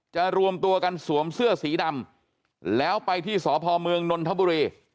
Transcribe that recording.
รวมตัวกันสวมเสื้อสีดำแล้วไปที่สพเมืองนนทบุรี